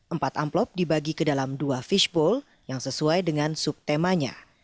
empat amplop dibagi ke dalam dua fishbowl yang sesuai dengan subtemanya